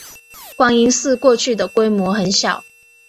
观音寺过去的规模很小。